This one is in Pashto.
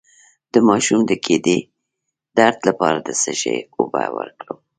د ماشوم د ګیډې درد لپاره د څه شي اوبه ورکړم؟